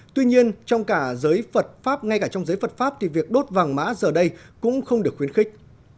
tuy nhiên trong cả giới phật pháp ngay cả trong giới phật pháp thì việc đốt vàng mã giờ đây cũng không được khuyến khích